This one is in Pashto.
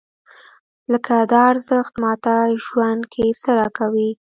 لکه دا ارزښت ماته ژوند کې څه راکوي؟